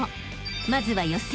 ［まずは予選。